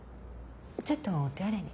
ちょっとお手洗いに。